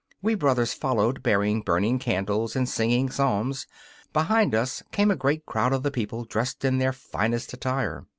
We brothers followed, bearing burning candles and singing psalms. Behind us came a great crowd of the people, dressed in their finest attire.